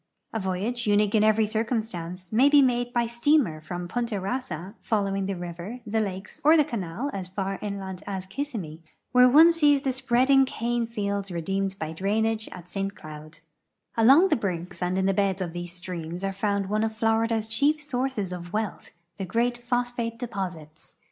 A voyage, uni<pie in every circumstance, may be made by steamer from Punta Kassa, following the river, the lakes, or the canal as far inland as Ki.ssimmee, where one sees the spreading cane fields redeemed by drainage at St. Cloud. Along the brinks and in the beds of these streams are found one of Florida's chief sources of wealth, the great phosphate de j)Osits.